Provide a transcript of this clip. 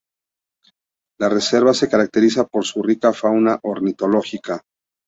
La reserva se caracteriza por su rica fauna ornitológica.